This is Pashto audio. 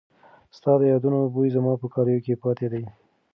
ستا د یادونو بوی زما په کالو کې پاتې دی.